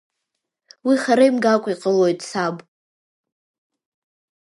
Уи хара имгакәа иҟалоит, саб…